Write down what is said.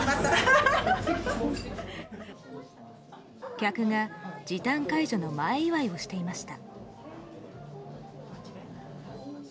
客が時短解除の前祝いをしていました。